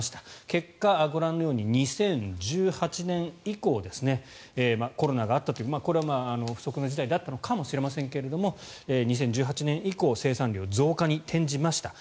結果、ご覧のように２０１８年以降コロナがあったというこれは不測の事態だったのかもしれませんが２０１８年以降生産量増加に転じました。